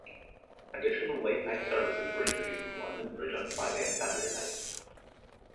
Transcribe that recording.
Additional late night services were introduced from London Bridge on Friday and Saturday nights.